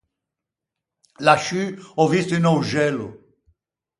Lasciù ò visto un öxello.